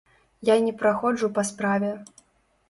Я не праходжу па справе.